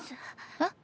えっ？